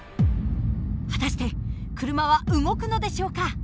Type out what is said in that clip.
果たして車は動くのでしょうか？